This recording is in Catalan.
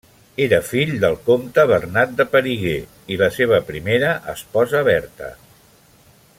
Era fill del comte Bernat de Périgueux i la seva primera esposa Berta.